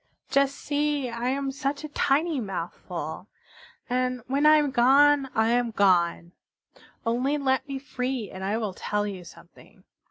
Just see, I am such a tiny mouthful! And when I am gone I am gone. Only let me free and I will tell you something.